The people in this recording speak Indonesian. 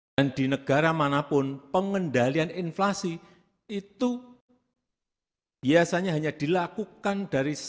dan di negara manapun pengendalian inflasi itu biasanya hanya dilakukan dari satu dari